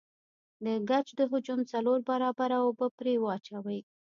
د ګچ د حجم د څلور برابره اوبه پرې واچوئ.